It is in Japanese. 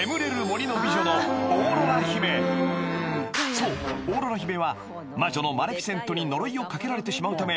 ［そうオーロラ姫は魔女のマレフィセントに呪いをかけられてしまうため］